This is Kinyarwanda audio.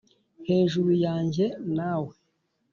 'hejuru yanjye nawe